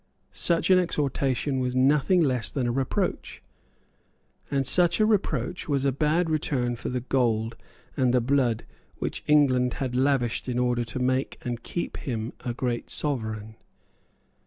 Such an exhortation was nothing less than a reproach; and such a reproach was a bad return for the gold and the blood which England had lavished in order to make and to keep him a great sovereign.